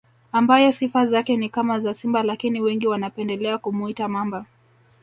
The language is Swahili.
Ambaye sifa zake ni kama za simba lakini wengi wanapendelea kumuita Mamba